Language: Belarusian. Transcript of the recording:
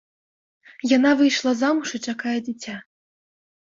Яна выйшла замуж і чакае дзіця.